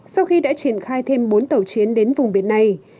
sau khi đã triển khai thêm bốn tàu chiến đến vùng biển này